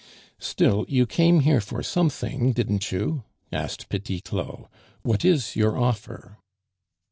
"Still you came here for something, didn't you?" asked Petit Claud. "What is your offer?"